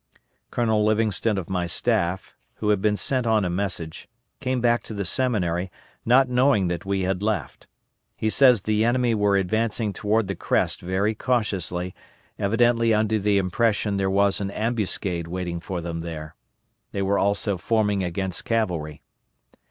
Colonel Livingston of my staff, who had been sent on a message, came back to the Seminary, not knowing that we had left. He says the enemy were advancing toward the crest very cautiously, evidently under the impression there was an ambuscade waiting for them there. They were also forming against cavalry.